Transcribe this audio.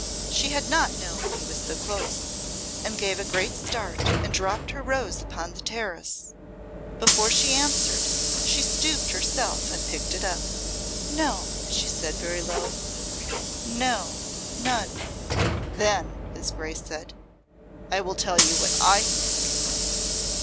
She had not known he was so close, and gave a great start and dropped her rose upon the terrace. Before she answered, she stooped herself and picked it up. "No," she said, very low. "No; none." "Then," his Grace said, "I will tell you what I think."